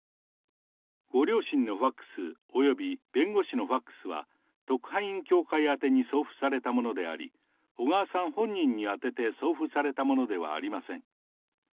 ご両親のファックスおよび弁護士のファックスは、特派員協会宛てに送付されたものであり、小川さん本人に宛てて送付されたものではありません。